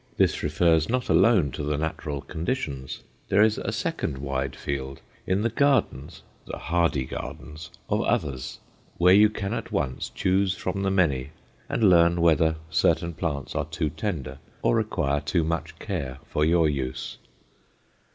This refers not alone to the natural conditions; there is a second wide field in the gardens the hardy gardens of others, where you can at once choose from the many and learn whether certain plants are too tender or require too much care for your use.